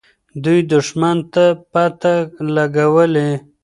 دوی دښمن ته پته لګولې.